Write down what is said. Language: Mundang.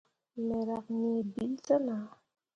Me riak nii bill te nah.